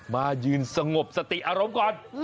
มายืนสงบสติอารมณ์ก่อน